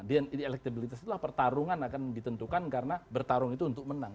nah di elektabilitas itu pertarungan akan ditentukan karena bertarung itu untuk menang